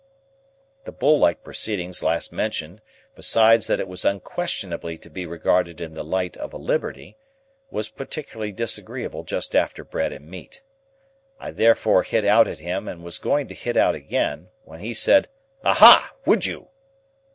The bull like proceeding last mentioned, besides that it was unquestionably to be regarded in the light of a liberty, was particularly disagreeable just after bread and meat. I therefore hit out at him and was going to hit out again, when he said, "Aha! Would you?"